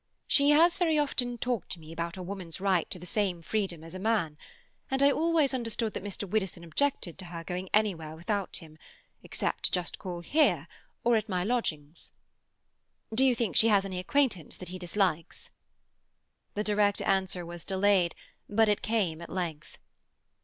"She has very often talked to me about a woman's right to the same freedom as a man, and I always understood that Mr. Widdowson objected to her going anywhere without him, except just to call here, or at my lodgings." "Do you think she has any acquaintance that he dislikes?" The direct answer was delayed, but it came at length.